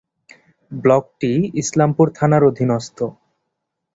ব্লকটি ইসলামপুর থানার অধীনস্থ।